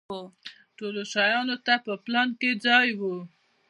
ټولو شیانو ته په پلان کې ځای و.